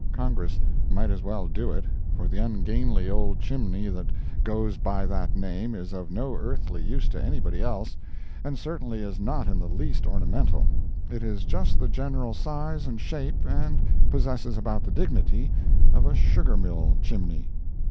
Congress might as well do it, for the ungainly old chimney that goes by that name is of no earthly use to anybody else, and certainly is not in the least ornamental. It is just the general size and shape, and possesses about the dignity, of a sugar mill chimney.